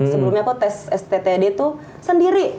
sebelumnya aku tes sttd tuh sendiri